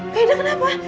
kak aida kenapa